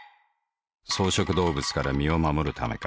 草食動物から身を護るためか。